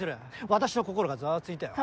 私の心がざわついたよ。